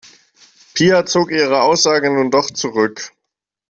Pia zog ihre Aussage nun doch zurück.